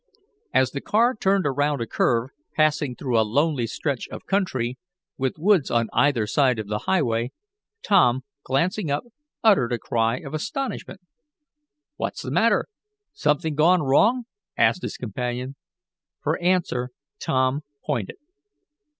As the car turned around a curve, passing through a lonely stretch of country, with woods on either side of the highway, Tom glancing up, uttered a cry of astonishment. "What's the matter; something gone wrong?" asked his companion. For answer Tom pointed.